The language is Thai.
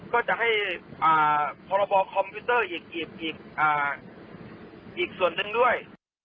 ก็จะให้อ่าพรบคอมพิวเตอร์อีกอีกอ่าอีกส่วนหนึ่งด้วย